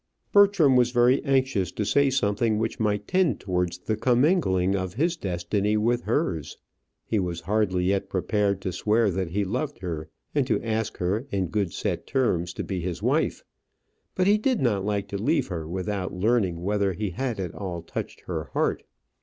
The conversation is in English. Bertram was very anxious to say something which might tend towards the commingling of his destiny with hers. He was hardly yet prepared to swear that he loved her, and to ask her in good set terms to be his wife. But he did not like to leave her without learning whether he had at all touched her heart.